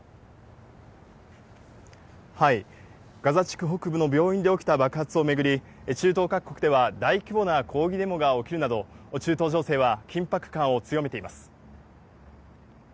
ガザ地区北部の病院で起きた爆発を巡り、中東各国では大規模な抗議デモが起きるなど、中東情勢は緊迫感を強めています。